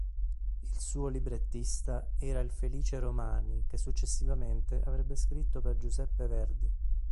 Il suo librettista era il Felice Romani che successivamente avrebbe scritto per Giuseppe Verdi.